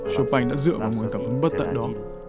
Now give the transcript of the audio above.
chopin đã dựa vào nguồn cảm hứng bất tận đó